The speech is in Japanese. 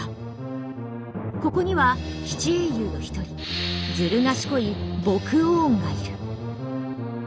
ここには七英雄の一人ずる賢いボクオーンがいる。